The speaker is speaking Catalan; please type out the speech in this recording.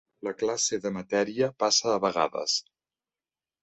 La classe de matèria passa a vegades.